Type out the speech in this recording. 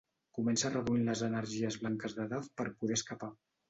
Comença reduint les energies blanques de Dove per poder escapar.